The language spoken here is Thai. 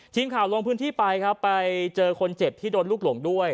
ทีมข่าวลงพื้นที่ไปครับไปเจอคนเจ็บที่โดนลูกหลงด้วย